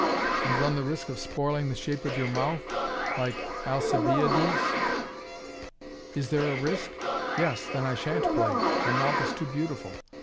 "And run the risk of spoiling the shape of your mouth like Alcibiades." "Is there a risk? Yes! Then I shan't play it. My mouth is too beautiful.